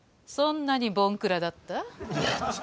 そんなにぼんくらだった？